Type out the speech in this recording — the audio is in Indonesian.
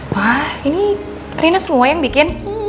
wah ini rina semua yang bikin